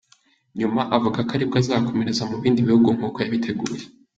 Nyuma avuga ko ari bwo azakomereza mu bindi bihugu nk’uko yabiteguye.